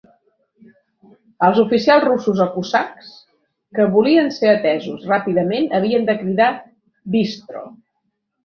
Els oficials russos o cosacs que volien ser atesos ràpidament havien de cridar "bystro".